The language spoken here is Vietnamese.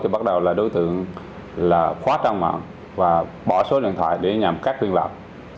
thì bắt đầu là đối tượng là khóa tài khoản mạng và bỏ số điện thoại để nhằm cắt liên lạc